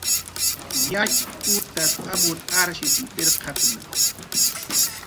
Yatx utas amur arshisn pirqatna